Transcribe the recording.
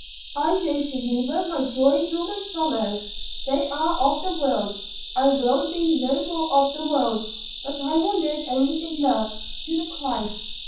"I go to neither my joy nor my sorrow. They are of the world. I will be no more of the world but I will live only in love to the Christ.